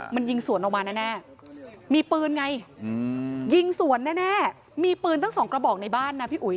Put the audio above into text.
มันยิงสวนออกมาแน่มีปืนไงยิงสวนแน่มีปืนตั้งสองกระบอกในบ้านนะพี่อุ๋ย